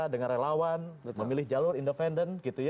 dengan relawan memilih jalur independen